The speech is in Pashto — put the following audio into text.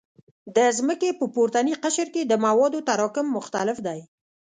د ځمکې په پورتني قشر کې د موادو تراکم مختلف دی